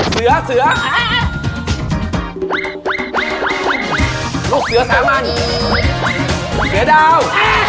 เสือเสือลูกเสือสามัญเสือดาว